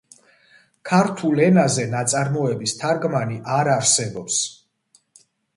ქართულ ენაზე ნაწარმოების თარგმანი არ არსებობს.